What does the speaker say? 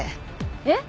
えっ？